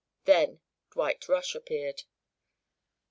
Then Dwight Rush appeared.